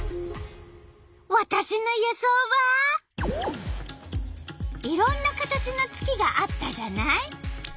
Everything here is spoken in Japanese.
わたしの予想はいろんな形の月があったじゃない？